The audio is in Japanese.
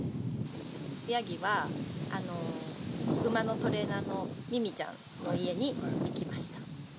ヤギは、馬のトレーナーのみみちゃんの家に行きました。